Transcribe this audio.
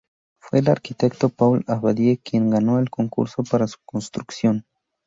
Fue el arquitecto Paul Abadie quien ganó el concurso para su construcción.